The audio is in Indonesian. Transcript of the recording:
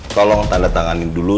tolong tanda tangan ini dulu